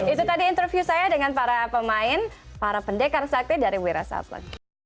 itu tadi interview saya dengan para pemain para pendekar sakti dari wirasatlan